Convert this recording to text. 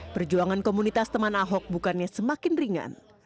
perjuangan komunitas teman ahok bukannya semakin ringan